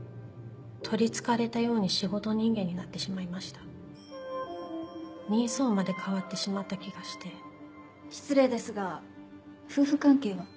取り憑かれたように仕事人間になってしま人相まで変わってしまった気がして失礼ですが夫婦関係は？